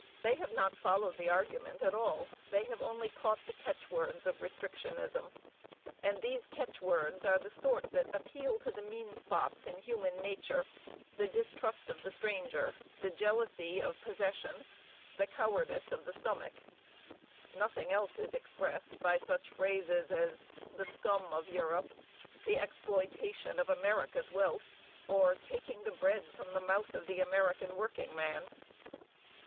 They have not followed the argument at all; they have only caught the catchwords of restrictionism. And these catchwords are the sort that appeal to the mean spots in human nature, the distrust of the stranger, the jealousy of possession, the cowardice of the stomach. Nothing else is expressed by such phrases as "the scum of Europe," "the exploitation of America's wealth," or "taking the bread from the mouth of the American workingman."